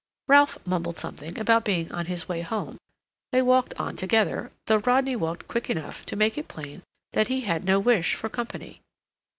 Ralph mumbled something about being on his way home. They walked on together, though Rodney walked quick enough to make it plain that he had no wish for company.